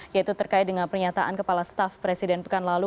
yaitu terkait dengan pernyataan kepala staff presiden pekan lalu